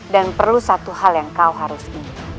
dan perlu satu hal yang kau harus ingat